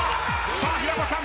さあ平子さん